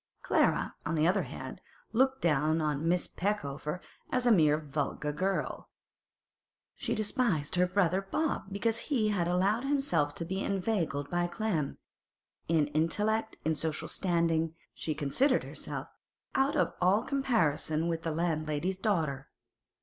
Clara, on the other hand, looked down upon Miss Peckover as a mere vulgar girl; she despised her brother Bob because he had allowed himself to be inveigled by Clem; in intellect, in social standing, she considered herself out of all comparison with the landlady's daughter.